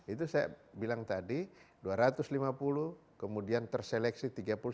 itu saya bilang tadi dua ratus lima puluh kemudian terseleksi tiga puluh satu tujuh ratus lima puluh